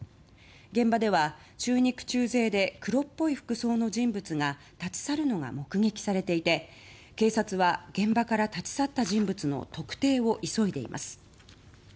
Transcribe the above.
現場では中肉中背で黒っぽい服装の人物が立ち去るのが目撃されていて警察は現場から立ち去った人物の特定を急いでいます。